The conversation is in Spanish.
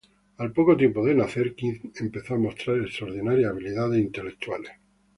Al poco tiempo de nacer, Kim empezó a mostrar extraordinarias habilidades intelectuales.